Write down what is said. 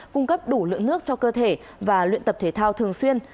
cung cấp đủ lượng nước cho cơ thể và luyện tập thể thao thường xuyên